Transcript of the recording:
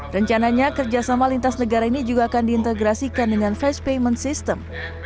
rencananya kerjasama lintas negara ini juga akan diintegrasikan dengan face payment system